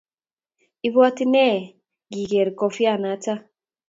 Ibwati nee ngigeer kofianata